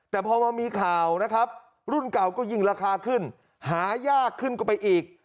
แต่พอมามีข่าวนะครับรุ่นเก่าก็ยิ่งราคาขึ้นหายากขึ้นก็ไปอีก